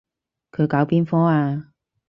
佢搞邊科啊？